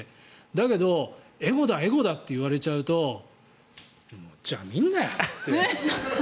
だけど、エゴだ、エゴだって言われちゃうとじゃあ、見んなよって。